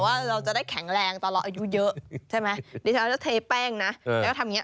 ว่าเราจะได้แข็งแรงตอนเราอายุเยอะใช่ไหมดิฉันจะเทแป้งนะแล้วก็ทำอย่างเง